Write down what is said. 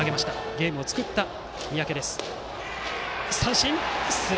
ゲームを作った三宅。